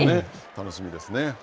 楽しみですね。